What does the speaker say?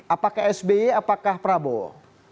apakah sby apakah prabowo